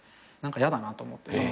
何かやだなと思って。